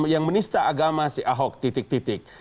yang menista agama si ahok titik titik